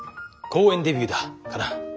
公園デビューだカナ。